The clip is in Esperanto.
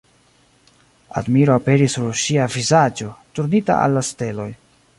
Admiro aperis sur ŝia vizaĝo, turnita al la steloj.